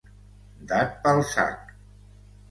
Dat pel sac.